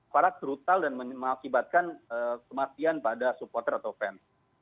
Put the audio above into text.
para brutal dan mengakibatkan kematian pada supporter atau fans